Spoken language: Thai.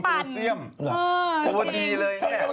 ตัวดีเลย